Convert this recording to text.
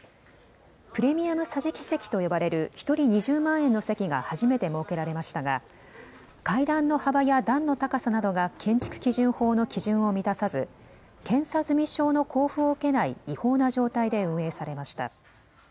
プレミアム桟敷席と呼ばれる１人２０万円の席が初めて設けられましたが、階段の幅や段の高さなどが建築基準法の基準を満たさず、検査済証の交付を受けない違法な状態で運営されました。